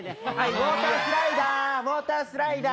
ウォータースライダー、ウォータースライダー。